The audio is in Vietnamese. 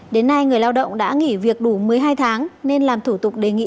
đến nay người lao động đã nghỉ việc đủ một mươi hai tháng nên làm thủ tục đề nghị